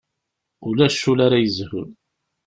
Ulac ul ara yezhun.